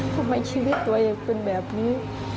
ทำไมชีวิตตัวเองเป็นแบบนี้